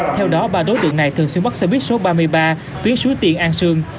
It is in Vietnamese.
theo đó ba đối tượng này thường xuyên bắt xe buýt số ba mươi ba tuyến suối tiên an sương